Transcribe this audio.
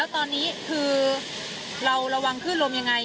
ตอนนี้คือเราระวังขึ้นลมยังไง